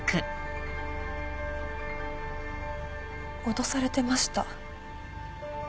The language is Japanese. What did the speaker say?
脅されてました。